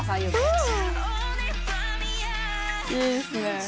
いいですね。